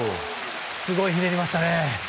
すごいひねりましたね。